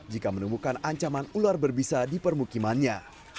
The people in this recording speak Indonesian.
jika menemukan ancaman ular berbisa di permukimannya